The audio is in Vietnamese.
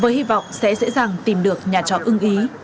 với hy vọng sẽ dễ dàng tìm được nhà trọ ưng ý